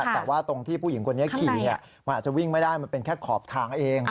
แต่ว่าตรงที่ผู้หญิงคนนี้ขี่มันอาจจะวิ่งไม่ได้มันเป็นแค่ขอบทางเอง